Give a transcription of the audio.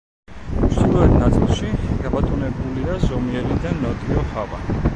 ჩრდილოეთ ნაწილში გაბატონებულია ზომიერი და ნოტიო ჰავა.